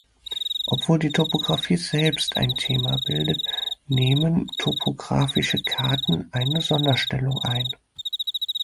Obwohl die Topografie selbst ein Thema bildet, nehmen topographische Karten eine Sonderstellung ein.